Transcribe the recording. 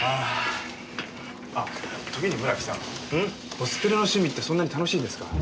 コスプレの趣味ってそんなに楽しいですか？